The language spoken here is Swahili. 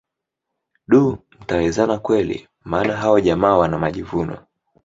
Duh mtawezana kweli maana hao jamaa wana majivuno